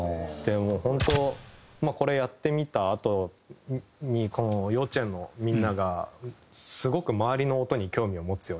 もう本当これやってみたあとにこの幼稚園のみんながすごく周りの音に興味を持つようになって。